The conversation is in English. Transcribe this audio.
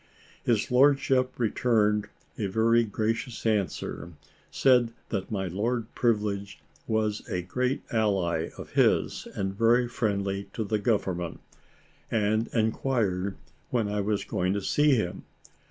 His lordship returned a very gracious answer; said that my Lord Privilege was a great ally of his and very friendly to the Government; and inquired when I was going to see him.